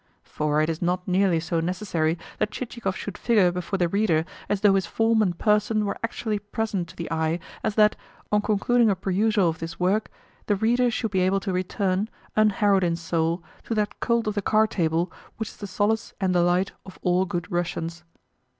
For it is not nearly so necessary that Chichikov should figure before the reader as though his form and person were actually present to the eye as that, on concluding a perusal of this work, the reader should be able to return, unharrowed in soul, to that cult of the card table which is the solace and delight of all good Russians.